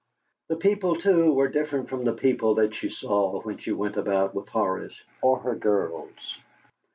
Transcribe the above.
The people, too, were different from the people that she saw when she went about with Horace or her girls.